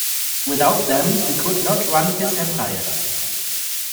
Without them he could not run his empire.